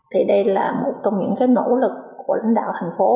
thì đây là một trong những cái nỗ lực của lãnh đạo thành phố